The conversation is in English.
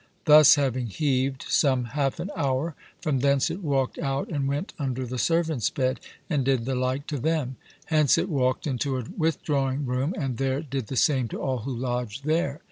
Thus having heaved some half an hour, from thence it walkt out and went under the servants' bed, and did the like to them; hence it walkt into a withdrawing room, and there did the same to all who lodged there.